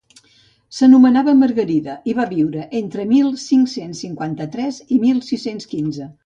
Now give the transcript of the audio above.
S'anomenava Margarida i va viure entre mil cinc-cents cinquanta-tres i mil sis-cents quinze.